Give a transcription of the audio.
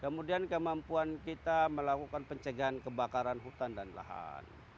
kemudian kemampuan kita melakukan pencegahan kebakaran hutan dan lahan